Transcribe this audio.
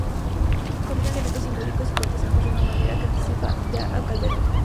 Combina elementos simbólicos y cortesanos de una manera que anticipa ya a Calderón.